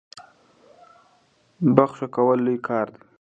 بخښنه کول لوی کار دی.